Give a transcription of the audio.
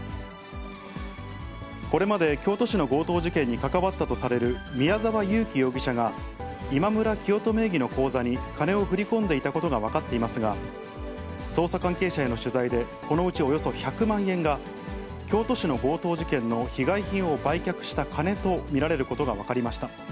これまで、京都市の強盗事件に関わったとされる宮沢優樹容疑者が、イマムラキヨト名義の口座に金を振り込んでいたことが分かっていますが、捜査関係者への取材で、このうちおよそ１００万円が、京都市の強盗事件の被害品を売却した金と見られることが分かりました。